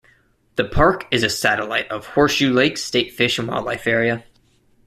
The park is a satellite of Horseshoe Lake State Fish and Wildlife Area.